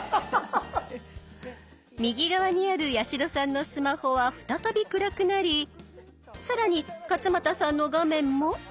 右側にある八代さんのスマホは再び暗くなり更に勝俣さんの画面も。